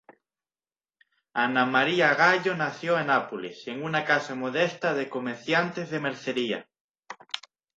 Anna Maria Gallo nació en Nápoles en una casa modesta de comerciantes de mercería.